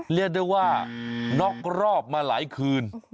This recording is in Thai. เรียกได้ว่าน็อกรอบมาหลายคืน